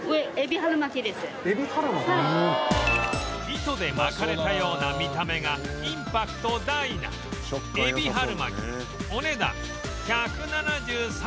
糸で巻かれたような見た目がインパクト大な海老春巻きお値段１７３円